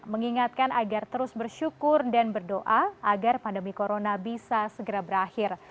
mengingatkan agar terus bersyukur dan berdoa agar pandemi corona bisa segera berakhir